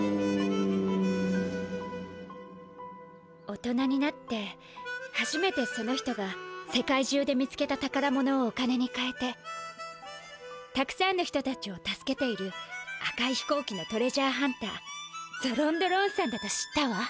大人になってはじめてその人が世界中で見つけた宝物をお金にかえてたくさんの人たちを助けているあかいひこうきのトレジャーハンターゾロンド・ロンさんだと知ったわ。